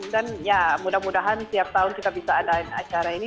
dan ya mudah mudahan setiap tahun kita bisa adain acara ini